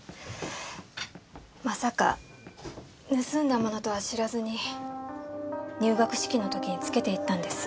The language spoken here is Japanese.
まさか盗んだものとは知らずに入学式の時に着けていったんです。